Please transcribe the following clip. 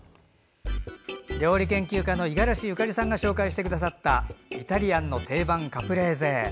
料理研究家の五十嵐ゆかりさんが紹介してくださったイタリアンの定番カプレーゼ。